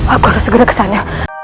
aku harus segera kesana